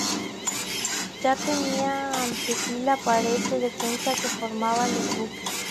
Ya tenían ante sí la pared de defensa que formaban los buques.